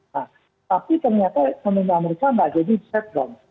nah tapi ternyata kemungkinan mereka tidak jadi di shutdown